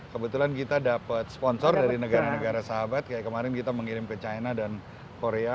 kebetulan kita dapat sponsor dari negara negara sahabat kayak kemarin kita mengirim ke china dan korea